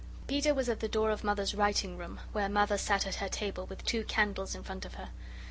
Peter was at the door of Mother's writing room, where Mother sat at her table with two candles in front of her.